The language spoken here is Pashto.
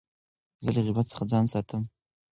زه له غیبت څخه ځان ساتم.